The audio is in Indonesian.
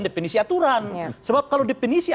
depenisi aturan sebab kalau depenisinya